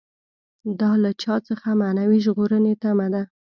دا له چا څخه معنوي ژغورنې تمه ده.